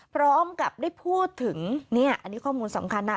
พร้อมกับได้พูดถึงเนี่ยอันนี้ข้อมูลสำคัญนะ